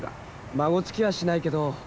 まごつきはしないけど。